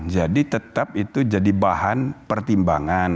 jadi tetap itu jadi bahan pertimbangan